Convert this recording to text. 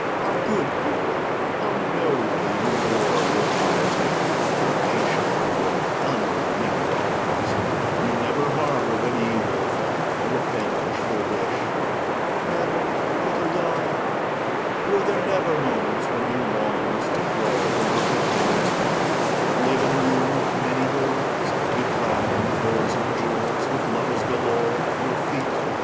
How good you were! How nobly you bore your poverty. How patient you were under your many wrongs. You never harboured an evil thought, a revengeful wish—never, little doll? Were there never moments when you longed to play the wicked woman's part, live in a room with many doors, be clad in furs and jewels, with lovers galore at your feet?